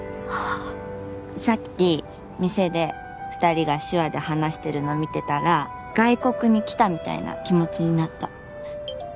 さっき店で２人が手話で話してるのを見てたら外国に来たみたいな気持ちになった。